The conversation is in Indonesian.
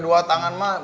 dua tangan mah